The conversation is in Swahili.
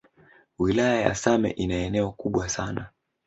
Wilaya ya same ina eneo kubwa sana